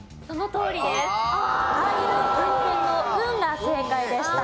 そのとおりです。